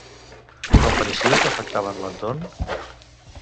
I com pareixia que afectaven l'entorn?